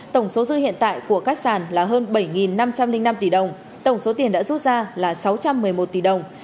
tổng số dư hiện tại của các sản là hơn bảy năm trăm linh năm tỷ đồng tổng số tiền đã rút ra là sáu trăm một mươi một tỷ đồng